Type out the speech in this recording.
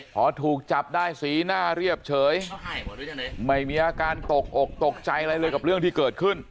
พอถูกจับได้สีหน้าเรียบเฉยไม่มีอาการตกอกตกใจอะไรเลยกับเรื่องที่เกิดขึ้น